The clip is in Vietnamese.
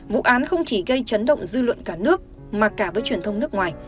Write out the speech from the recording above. vụ án không chỉ gây chấn động dư luận cả nước mà cả với truyền thông nước ngoài